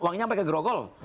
uangnya sampai ke gerogol